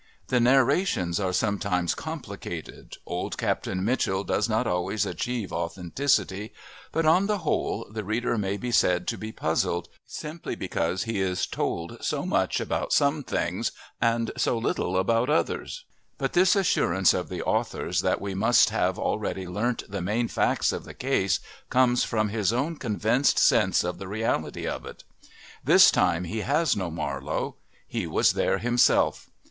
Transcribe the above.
The narrations are sometimes complicated old Captain Mitchell does not always achieve authenticity but on the whole, the reader may be said to be puzzled, simply because he is told so much about some things and so little about others. But this assurance of the author's that we must have already learnt the main facts of the case comes from his own convinced sense of the reality of it. This time he has no Marlowe. He was there himself.